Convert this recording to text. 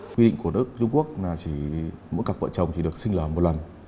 quy định của nước trung quốc là mỗi cặp vợ chồng chỉ được sinh lờ một lần